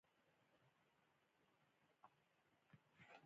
ماجرا غوښتونکو ورڅخه غصب کړی دی.